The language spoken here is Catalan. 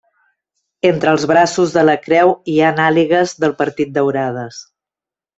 Entre els braços de la creu hi han àligues del Partit daurades.